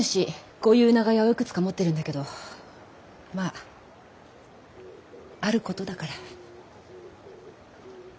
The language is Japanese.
こういう長屋をいくつか持ってるんだけどまああることだから。